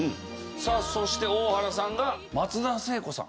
さあそして大原さんが松田聖子さん。